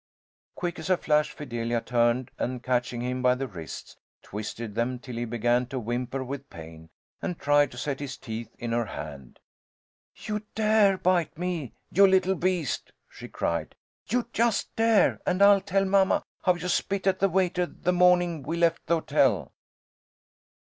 Quick as a flash, Fidelia turned, and catching him by the wrists, twisted them till he began to whimper with pain, and tried to set his teeth in her hand. "You dare bite me, you little beast!" she cried. "You just dare, and I'll tell mamma how you spit at the waiter the morning we left the hotel."